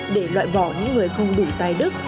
để loại bỏ những người không đủ tài đức